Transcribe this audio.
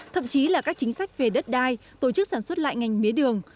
thậm chí là các chính sách về đất đai tổ chức sản xuất lại ngành mía đường